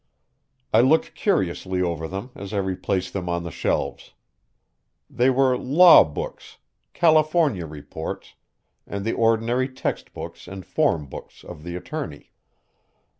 I looked curiously over them as I replaced them on the shelves. They were law books, California Reports, and the ordinary text books and form books of the attorney.